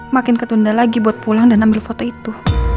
makin ketunda lagi buat pulang dan ambil foto itu